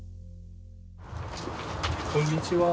こんにちは。